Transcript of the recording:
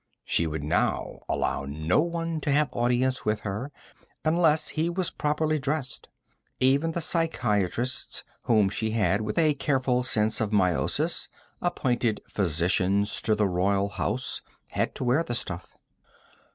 She would now allow no one to have audience with her unless he was properly dressed. Even the psychiatrists whom she had, with a careful sense of meiosis, appointed Physicians to the Royal House had to wear the stuff.